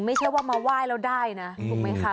ไม่ใช่ว่ามาไหว้แล้วได้นะถูกไหมคะ